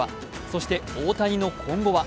そして大谷の今後は？